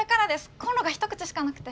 コンロが１口しかなくて。